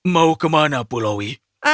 mau ke mana pulaui